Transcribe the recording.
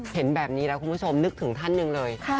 เห็นแบบนี้แล้วคุณผู้ชมนึกถึงท่านหนึ่งเลย